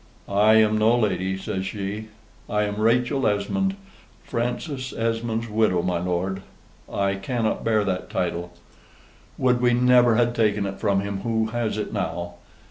"I am no lady," says she; "I am Rachel Esmond, Francis Esmond's widow, my lord. I cannot bear that title. Would we never had taken it from him who has it now.